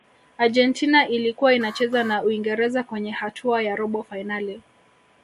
argentina ilikuwa inacheza na uingereza kwenye hatua ya robo fainali